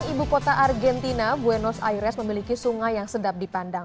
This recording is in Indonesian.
ibu kota argentina buenos aires memiliki sungai yang sedap dipandang